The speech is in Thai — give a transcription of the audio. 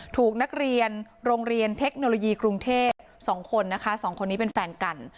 ถูกนักเรียนโรงเรียนเทคโนโลยีกรุงเทพ๒คนนะคะสองคนนี้เป็นแฟนกัน